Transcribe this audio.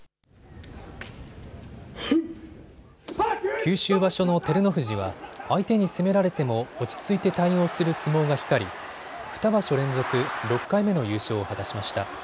九州場所の照ノ富士は相手に攻められても落ち着いて対応する相撲が光り２場所連続６回目の優勝を果たしました。